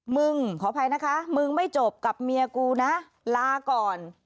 มึงขออภัยนะคะมึงไม่จบกับเมียกูนะลาก่อน